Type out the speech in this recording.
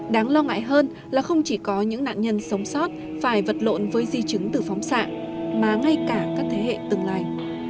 đáng lo ngại hơn là không chỉ có những nạn nhân sống sót phải vật lộn với di chứng từ phóng xạ mà ngay cả các thế hệ tương lai